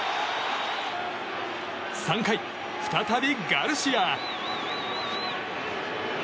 ３回、再びガルシア。